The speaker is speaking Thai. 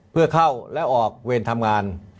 เพื่อเข้าและออกเวรทำงาน